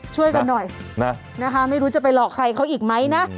ช่วยกันหน่อยนะคะไม่รู้จะไปหลอกใครเขาอีกไหมนะ